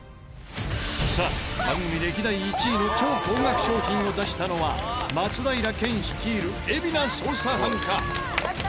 さあ番組歴代１位の超高額商品を出したのは松平健率いる海老名捜査班か？